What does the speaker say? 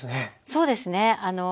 そうですね。